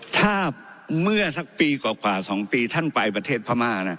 ถ้าเมื่อสักปีกว่า๒ปีท่านไปประเทศพม่า